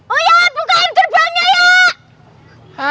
oh iya bukaan terbangnya ya